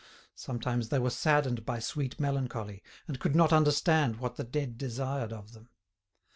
Sometimes they were saddened by sweet melancholy, and could not understand what the dead desired of them.